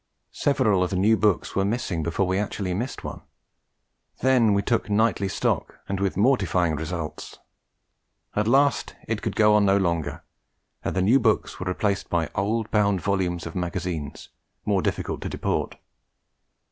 Several of the new books were missing before we actually missed one; then we took nightly stock, and with mortifying results. At last it could go on no longer, and the new books were replaced by old bound volumes of magazines, more difficult to deport.